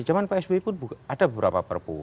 zaman psb pun ada beberapa perpu